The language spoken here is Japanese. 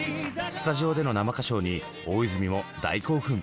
スタジオでの生歌唱に、大泉も大興奮。